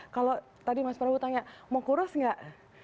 kalau tadi mas prabu tanya mau kurus nggak